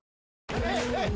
はい！